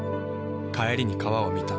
帰りに川を見た。